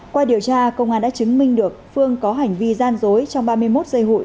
qua điều tra công an đã chứng minh được phương có hành vi gian dối trong ba mươi một giây hụi